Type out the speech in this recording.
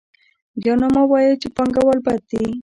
بیا نو مه وایئ چې پانګوال بد دي